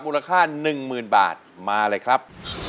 มูลค่า๑หมื่นบาทมาเลยครับ